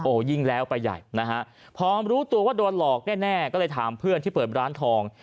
โอ้โหยิ่งแล้วไปใหญ่นะฮะพอรู้ตัวว่าโดนหลอกแน่ก็เลยถามเพื่อนที่เปิดร้านทอง